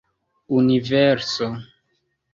universo